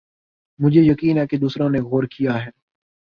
مجھے یقین ہے کہ دوسروں نے غور کِیا ہے